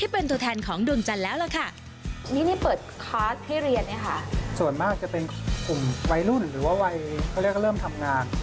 เป็นกลุ่มวัยรุ่นหรือว่าวัยเริ่มทำงาน